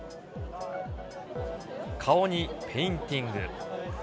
顔にペインティング。